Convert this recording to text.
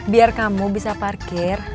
biar kamu bisa parkir